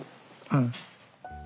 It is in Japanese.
うん。